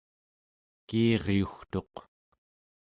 kiiryugtuq